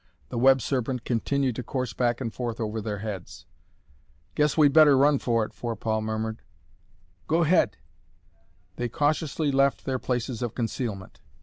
The web serpent continued to course back and forth over their heads. "Guess we'd better run for it," Forepaugh murmured. "Go 'head!" They cautiously left their places of concealment.